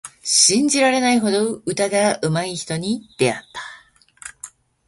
信じられないほど歌がうまい人に出会った。